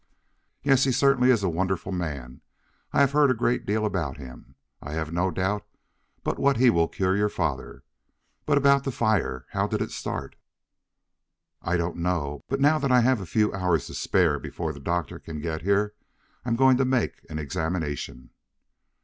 "Yes, he certainly is a wonderful man. I have heard a great deal about him. I have no doubt but what he will cure your father. But about the fire? How did it start?" "I don't know, but now that I have a few hours to spare before the doctor can get here, I'm going to make an examination."